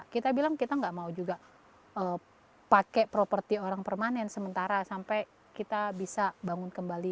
kita bilang kita nggak mau juga pakai properti orang permanen sementara sampai kita bisa bangun kembali